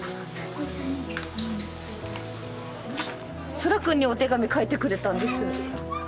蒼空くんにお手紙書いてくれたんです。